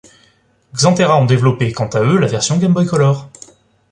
Xantera ont développé, quant à eux, la version Game Boy Color.